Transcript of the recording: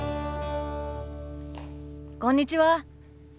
こんにちは。